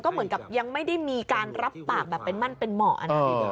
เหมือนกับยังไม่ได้มีการรับปากแบบเป็นมั่นเป็นเหมาะ